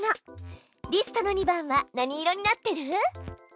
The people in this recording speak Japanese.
リストの２番は何色になってる？